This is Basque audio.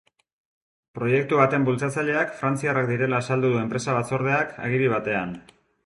Proiektu baten bultzatzaileak frantziarrak direla azaldu du enpresa-batzordeak agiri batean.